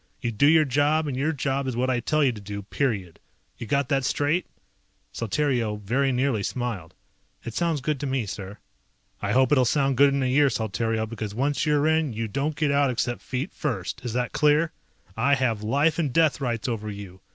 You do your job, and your job is what I tell you to do, period. You got that straight?" Saltario very nearly smiled. "It sounds good to me, sir." "I hope it'll sound good in a year, Saltario, because once you're in you don't get out except feet first. Is that clear? I have life and death rights over you.